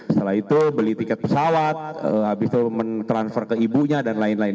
setelah itu beli tiket pesawat habis itu mentransfer ke ibunya dan lain lain